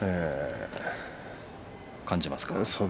感じますか。